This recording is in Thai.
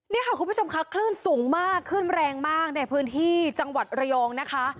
นี่ค่ะคุณผู้ชมค่ะคลื่นสูงมากขึ้นแรงมากในพื้นที่จังหวัดระยองนะคะ